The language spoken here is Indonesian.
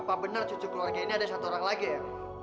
apa benar cucu keluarga ini ada satu orang lagi ya